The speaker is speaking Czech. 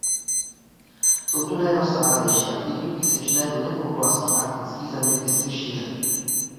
Jsou to nejrozsáhlejší aktivní písečné duny v oblasti arktických zeměpisných šířek.